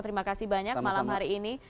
terima kasih banyak malam hari ini